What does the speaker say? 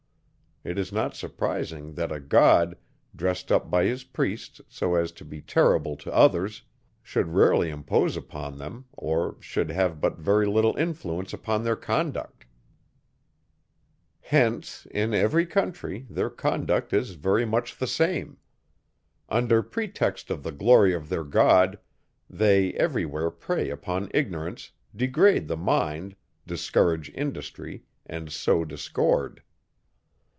It is not surprising, that a God, dressed up by his priests so as to be terrible to others, should rarely impose upon them, or should have but very little influence upon their conduct. Hence, in every country, their conduct is very much the same. Under pretext of the glory of their God, they every where prey upon ignorance, degrade the mind, discourage industry, and sow discord.